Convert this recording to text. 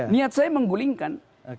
niat saya menggulingkan